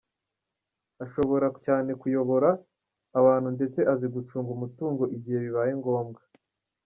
Ashobora cyane kuyobora abantu ndetse azi gucunga umutungo igihe bibaye ngombwa.